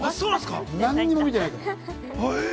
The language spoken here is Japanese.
何も見てない。